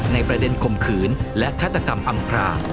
ในประเด็นข่มขืนและฆาตกรรมอำพราง